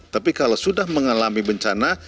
tapi kalau sudah mengalami bencana